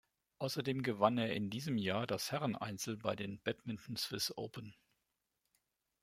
Außerdem gewann er in diesem Jahr das Herreneinzel bei den Badminton Swiss Open.